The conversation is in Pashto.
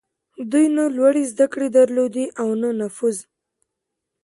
دوی نه لوړې زدهکړې درلودې او نه نفوذ.